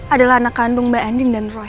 adalah anak kandung mbak andin dan roh